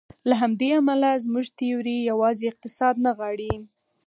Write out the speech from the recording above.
له همدې امله زموږ تیوري یوازې اقتصاد نه نغاړي.